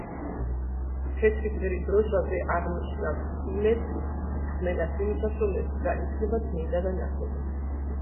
თეთრი ფერი დროშაზე აღნიშნავს იმედს, რწმენას იმისას, რომ ეს გზა იქნება წმინდა და ნათელი.